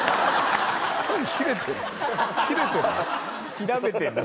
調べてんの？